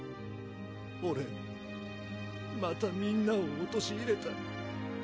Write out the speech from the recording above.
俺またみんなを陥れた。